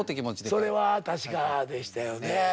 それは確かでしたよね。